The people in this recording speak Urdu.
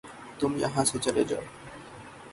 تم یہاں سے چلے جاؤ